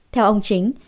theo ông chính